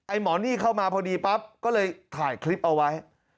หมอนี่เข้ามาพอดีปั๊บก็เลยถ่ายคลิปเอาไว้